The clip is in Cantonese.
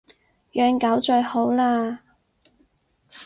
養狗最好喇